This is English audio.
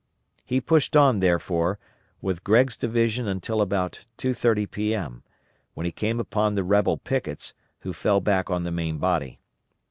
He pushed on, therefore, with Gregg's division until about 2.30 P.M., when he came upon the rebel pickets, who fell back on the main body.